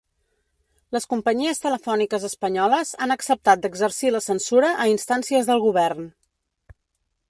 Les companyies telefòniques espanyoles han acceptat d’exercir la censura a instàncies del govern.